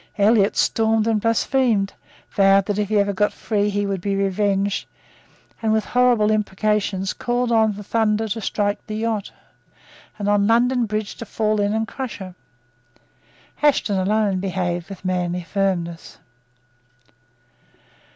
Elliot stormed and blasphemed, vowed that, if he ever got free, he would be revenged, and, with horrible imprecations, called on the thunder to strike the yacht, and on London Bridge to fall in and crush her. Ashton alone behaved with manly firmness.